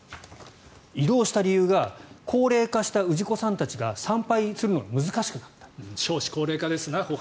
移動した理由が高齢化した氏子さんたちが参拝するのが少子高齢化ですな。